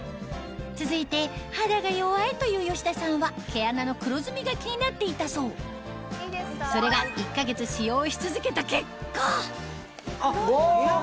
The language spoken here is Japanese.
続いて肌が弱いという吉田さんは毛穴の黒ずみが気になっていたそうそれがし続けた結果うわキレイ。